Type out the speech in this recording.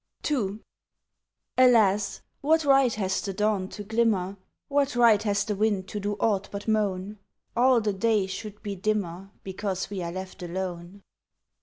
II Alas, what right has the dawn to glimmer, What right has the wind to do aught but moan? All the day should be dimmer Because we are left alone.